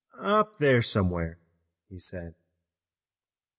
"Up there somewhere," he said.